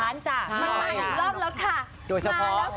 มันมาอีกรอบแล้วค่ะ